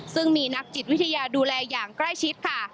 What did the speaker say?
ซึ่งมีนักจิตวิทยาดูแลอย่างใกล้ชิดค่ะ